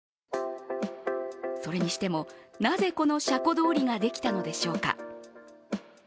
それにしても、なぜこの車庫通りができたのでしょうか。